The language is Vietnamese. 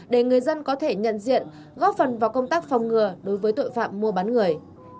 để người dân có thể nhận diện góp phần vào công tác phòng ngừa đối với tội phạm mua bán người